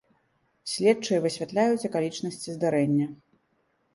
Следчыя высвятляюць акалічнасці здарэння.